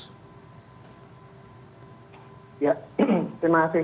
ya terima kasih